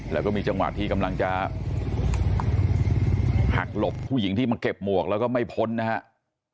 แล้วก็มีจังหวะที่กำลังจะหักหลบผู้หญิงที่มาเก็บหมวกแล้วก็ไม่พ้นนะครับ